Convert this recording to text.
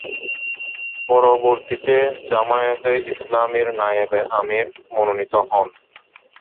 পরবর্তীতে জামায়াতে ইসলামীর নায়েবে আমির মনোনীত হন।